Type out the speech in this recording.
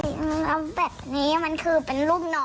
ใช่แล้วแบบนี้มันคือเป็นลูกน้อง